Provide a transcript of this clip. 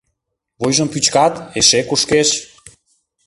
Вуйжым пӱчкат — эше кушкеш.